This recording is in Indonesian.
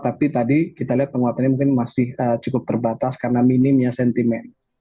tapi tadi kita lihat penguatannya mungkin masih cukup terbatas karena minimnya sentimen